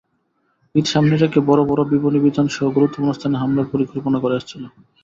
ঈদ সামনে রেখে বড় বড় বিপণিবিতানসহ গুরুত্বপূর্ণ স্থানে হামলার পরিকল্পনা করে আসছিল।